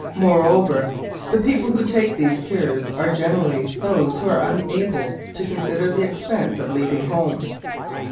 Moreover, the people who take these "cures" are generally those who are unable to consider the expense of leaving home.